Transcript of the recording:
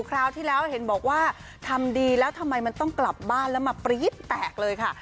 คราวที่แล้วเห็นบอกว่าทำดีแล้วทำไมมันต้องกลับบ้านแล้วมาปรี๊ดแตกเลยค่ะ